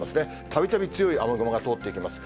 たびたび強い雨雲が通っていきます。